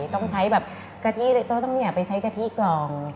ต้องใช้แบบกะทิต้องเนี่ยไปใช้กะทิกล่อง